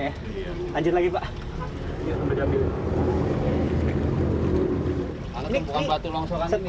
setiap hari selalu selalu ada sampah di sini ya selalu ada kalau ada